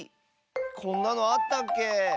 こんなのあったっけ？